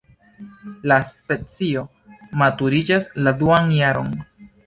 La specio maturiĝas la duan jaron.